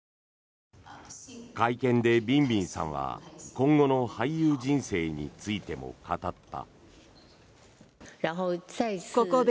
会見でビンビンさんは今後の俳優人生についても語った。